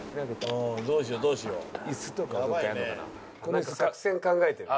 なんか作戦考えてるね。